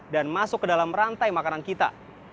masuk ke dalam rantai makanan kita